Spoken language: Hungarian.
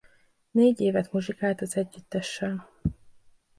Négy évet muzsikált az együttessel.